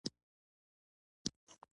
دا کار د خوړو د بیرته وتلو مخنیوی کوي.